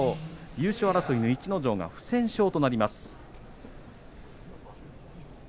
優勝争いの逸ノ城が不戦勝となります。